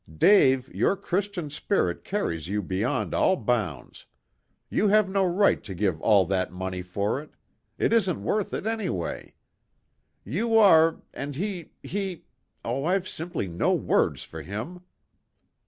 "Dave, your Christian spirit carries you beyond all bounds. You have no right to give all that money for it. It isn't worth it anyway. You are and he he oh, I've simply no words for him!"